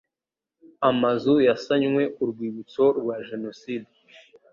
Amazu yasanywe ku Rwibutso rwa Jenoside